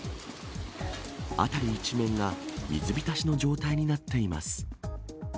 辺り一面が水浸しの状態になっています。